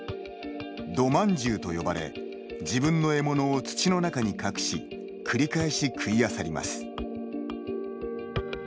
土まんじゅうと呼ばれ自分の獲物を土の中に隠し繰り返し食いあさります。